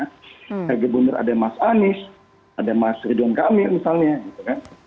sebagai gubernur ada mas anies ada mas ridwan kamil misalnya gitu kan